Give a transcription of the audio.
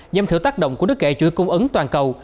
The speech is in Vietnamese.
giam thử tác động của đất kể chuỗi cung ứng toàn cầu